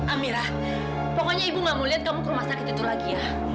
amirah pokoknya ibu gak mau lihat kamu ke rumah sakit itu lagi ya